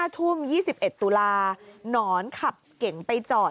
๕ทุ่ม๒๑ตุลาหนอนขับเก่งไปจอด